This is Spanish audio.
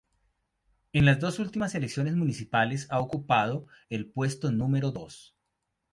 En las dos últimas elecciones municipales ha ocupado el puesto número dos.